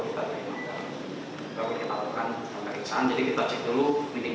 kita harus melakukan politik di skran berkualeng